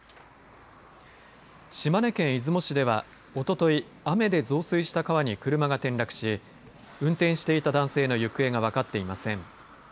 島根県出雲市ではおととい雨で増水した川に車が転落し運転していた男性の行方が分かっていません。